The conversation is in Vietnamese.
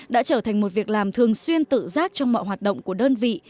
đã trở thành một việc làm thường xuyên tự giác trong mọi hoạt động của đơn vị